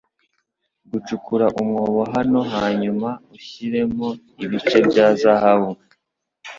Gucukura umwobo hano hanyuma ushiremo ibice bya zahabu.